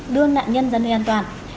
đưa nạn nhân ra nơi an toàn